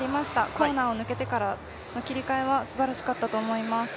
コーナーを抜けてからの切り替えはすばらしかったと思います。